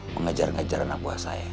mengajar ngajar anak buah saya